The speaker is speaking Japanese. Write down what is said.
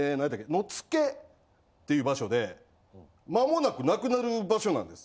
野付っていう場所でまもなく無くなる場所なんです。